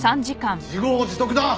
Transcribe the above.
自業自得だ！